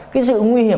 cái sự nguy hiểm